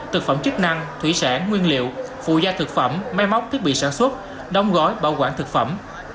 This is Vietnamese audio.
thực phẩm chức năng thủy sản nguyên liệu phụ gia thực phẩm máy móc thiết bị sản xuất đóng gói bảo quản thực phẩm